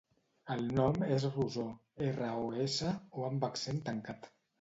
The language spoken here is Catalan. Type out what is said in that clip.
El nom és Rosó: erra, o, essa, o amb accent tancat.